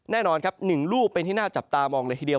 แน่นอนครับ๑ลูกเป็นที่น่าจับตามองเลยทีเดียว